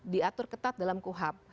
diatur ketat dalam kuhap